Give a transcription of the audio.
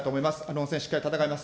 論戦、しっかり戦います。